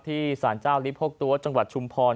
สารเจ้าลิโพกตัวจังหวัดชุมพร